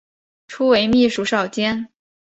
初为秘书少监。